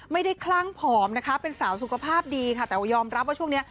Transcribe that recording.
ไม่ได้คลั่งผอมเป็นสาวสุขภาพดีแต่ยอมรับว่าช่วงนี้